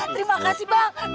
terima kasih bang